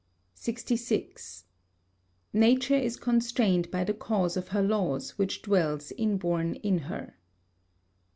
66. Nature is constrained by the cause of her laws which dwells inborn in her.